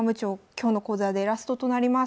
今日の講座でラストとなります。